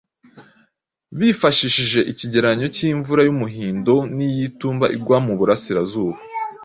Bifashishije ikigereranyo cy’imvura y’umuhindo n’iy’itumba igwa mu Burasirazuba